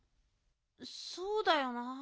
そうだよな。